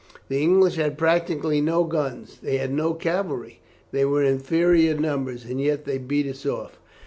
"The English had practically no guns, they had no cavalry, they were inferior in numbers, and yet they beat us off.